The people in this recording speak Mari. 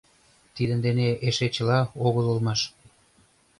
Тидын дене эше чыла огыл улмаш.